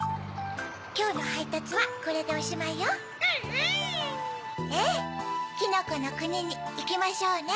・きょうのはいたつはこれでおしまいよ・・アンアン・ええきのこのくににいきましょうね。